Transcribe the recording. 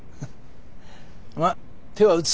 まあ手は打つ。